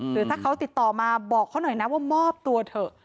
หรือถ้าเขาติดต่อมาบอกเขาหน่อยนะว่ามอบตัวเถอะ